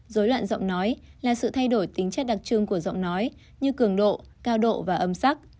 dối loạn giọng nói là sự thay đổi tính chất đặc trưng của giọng nói như cường độ cao độ và âm sắc